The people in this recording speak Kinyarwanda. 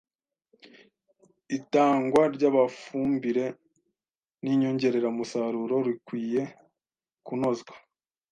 Itangwa ry amafumbire n inyongeramusaruro rikwiye kunozwa